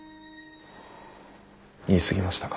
言い過ぎましたか。